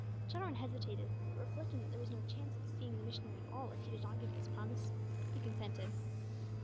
Jarwin hesitated, but reflecting that there was no chance of his seeing the missionary at all if he did not give this promise, he consented.